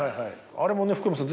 あれもね福山さん